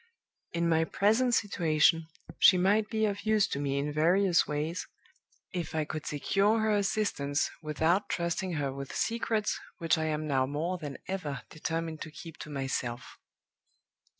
In my present situation, she might be of use to me in various ways, if I could secure her assistance, without trusting her with secrets which I am now more than ever determined to keep to myself.